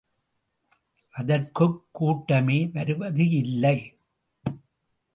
அதற்குக் கூட்டமே வருவது இல்லை.